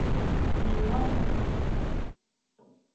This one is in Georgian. მე ვარ საქართველო